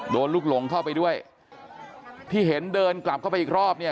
ลูกหลงเข้าไปด้วยที่เห็นเดินกลับเข้าไปอีกรอบเนี่ย